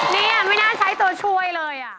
นี่ไม่น่าใช้ตัวช่วยเลย